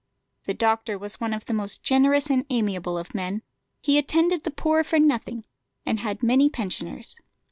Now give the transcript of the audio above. The doctor was one of the most generous and amiable of men; he attended the poor for nothing, and had many pensioners.